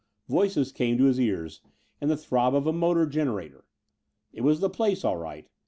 Voices came to his ears, and the throb of a motor generator. It was the place, all right.